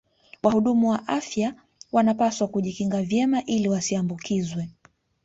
Wahudumu wa afya wanapaswa kujikinga vyema ili wasiambukizwe